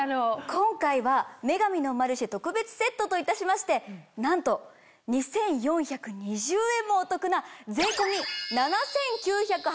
今回は『女神のマルシェ』特別セットといたしましてなんと２４２０円もお得な。